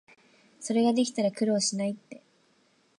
それができたら苦労しないって